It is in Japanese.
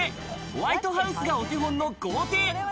ホワイトハウスがお手本の豪邸。